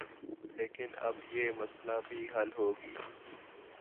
لیکن اب یہ مسئلہ بھی حل ہوگی